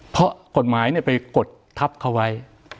เพราะกฎหมายไปกดทับเขาไว้